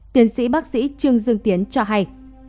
tiến sĩ bác sĩ trương dương tiến cho hay